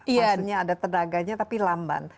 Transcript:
maksudnya ada tenaganya tapi lamban